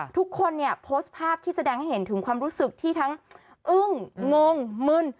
ทุกคนเนี่ยโพสต์ภาพที่แสดงให้เห็นถึงความรู้สึกที่ทั้งอึ้งงงมึน